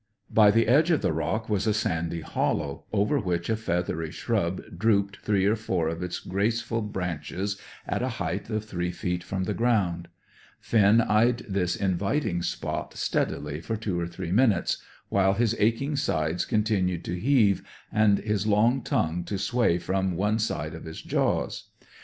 By the edge of the rock was a sandy hollow, over which a feathery shrub drooped three or four of its graceful branches at a height of three feet from the ground. Finn eyed this inviting spot steadily for two or three minutes, while his aching sides continued to heave, and his long tongue to sway from one side of his jaws.